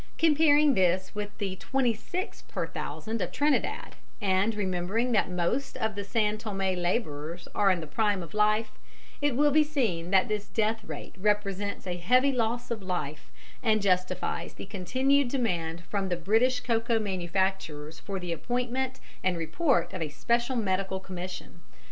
Comparing this with the 26 per thousand of Trinidad, and remembering that most of the San Thomé labourers are in the prime of life, it will be seen that this death rate represents a heavy loss of life and justifies the continued demand from the British cocoa manufacturers for the appointment and report of a special medical commission.